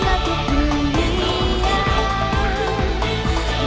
kita dengan kamu biar